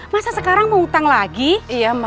masa sekarang mau hutang lagi